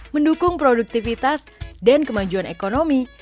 mendukung produktivitas dan kemajuan ekonomi